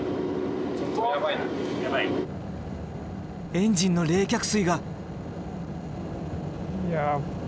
エンジンの冷却水が。